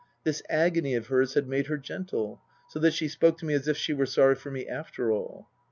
This agony of hers had made her gentle, so that she spoke to me as if she were sorry for me after all.